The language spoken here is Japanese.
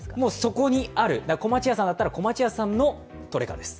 そこにある、小町湯さんだったら小町湯さんのトレカです。